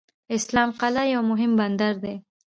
اسلام قلعه یو مهم بندر دی.